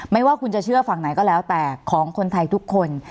ไม่ว่าคุณจะเชื่อฝั่งไหนก็แล้วแต่ของคนไทยทุกคน